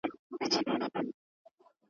کرۍ ورځ به خلک تلله او راتلله ,